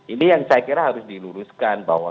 ini yang saya kira harus diluruskan bahwa